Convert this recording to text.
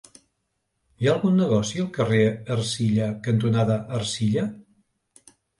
Hi ha algun negoci al carrer Ercilla cantonada Ercilla?